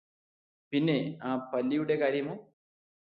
പിന്നെ ആ പല്ലിയുടെ കാര്യമോ